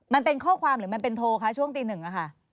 มันเป็นข้อความหรือมันเป็นโทรคะช่วงตีหนึ่งอะค่ะ